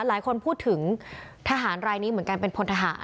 หลายคนพูดถึงทหารรายนี้เหมือนกันเป็นพลทหาร